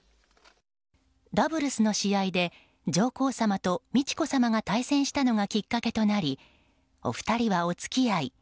ダブルスの試合で上皇さまと美智子さまが対戦したのがきっかけとなりお二人はお付き合い。